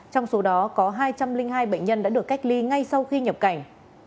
trong số đó có hai trăm linh hai bệnh nhân đã được cách ly ngay sau khi nhập cảnh